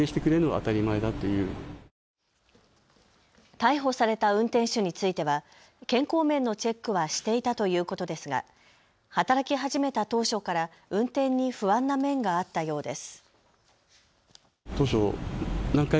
逮捕された運転手については健康面のチェックはしていたということですが働き始めた当初から運転に不安な面があったようです。